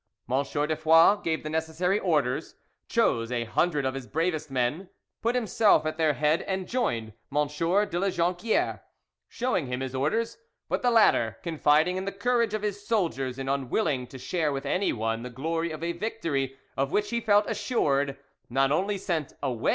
M. de Foix gave the necessary orders, chose a hundred of his bravest men, put himself at their head, and joined M. de La Jonquiere, showing him his orders; but the latter, confiding in the courage of his soldiers and unwilling to share with anyone the glory of a victory of which he felt assured, not only sent away M.